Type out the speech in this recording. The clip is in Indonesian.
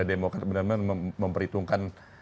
demokrat benar benar memperhitungkan